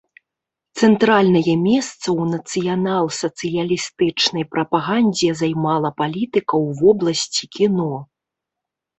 Цэнтральнае месца ў нацыянал-сацыялістычнай прапагандзе займала палітыка ў вобласці кіно.